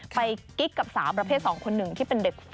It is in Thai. ไปกิ๊กกับสาวประเภท๒คนหนึ่งเป็นเด็กฝุ่นงาน